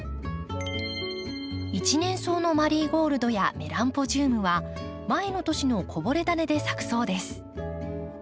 一年草のマリーゴールドやメランポジウムは前の年のこぼれダネで咲くそうです。